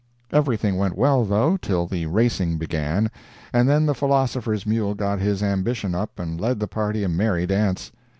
Everything went well, though, till the racing began, and then the philosopher's mule got his ambition up and led the party a merry dance.